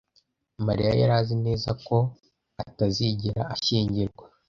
Mariya yari azi neza ko atazigera ashyingirwa.